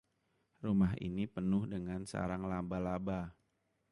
Rumah ini penuh dengan sarang laba-laba.